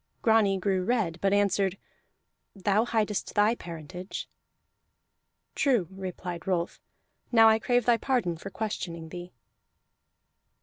Grani grew red, but answered: "Thou hidest thy parentage." "True," replied Rolf. "Now I crave thy pardon for questioning thee."